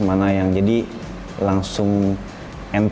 mana yang jadi langsung enteng